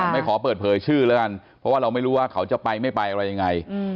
ไม่ขอเปิดเผยชื่อแล้วกันเพราะว่าเราไม่รู้ว่าเขาจะไปไม่ไปอะไรยังไง